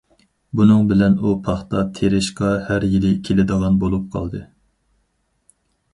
بۇنىڭ بىلەن ئۇ پاختا تېرىشقا ھەر يىلى كېلىدىغان بولۇپ قالدى.